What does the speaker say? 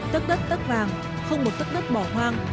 tất đất tất vàng không một tất đất bỏ hoang